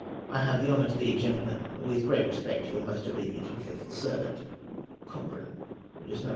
I have the honour to be, Grentlemen, wdth great respect, Your most obedient and faithful servant, Cochrane.